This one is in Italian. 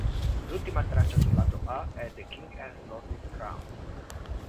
L'ultima traccia sul lato A è "The King Has Lost His Crown".